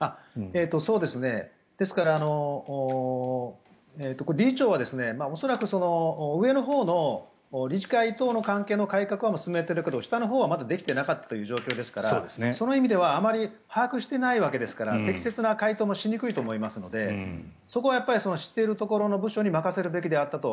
ですから、理事長は恐らく上のほうの理事会等の関係の改革は進めていたけど下のほうはできていなかった状況ですからその意味ではあまり把握してないわけですから適切な回答もしにくいと思いますのでそこは知っている部署に任せるべきであったと。